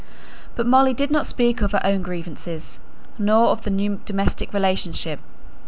But Molly did not speak of her own grievances, nor of the new domestic relationship.